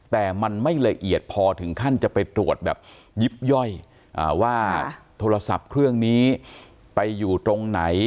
แต่มันไม่ละเอียดพอถึงขั้นจะไปตรวจแบบยิบย่อยว่าโทรศัพท์เครื่องนี้ไปอยู่ตรงไหน